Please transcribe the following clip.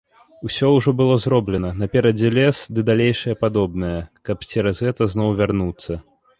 Усё ўжо было зроблена, наперадзе лес ды далейшае падобнае, каб цераз гэта зноў вярнуцца.